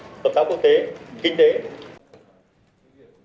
đối ngoại hợp tác quốc tế kinh tế